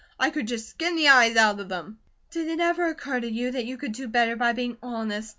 I could just skin the eyes out of them." "Did it ever occur to you that you could do better by being honest?"